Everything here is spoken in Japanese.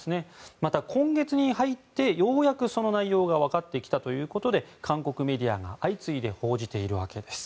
また今月に入って、ようやくその内容が分かってきたということで韓国メディアが相次いで報じているわけです。